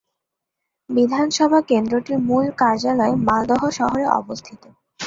বিধানসভা কেন্দ্রটির মূল কার্যালয় মালদহ শহরে অবস্থিত।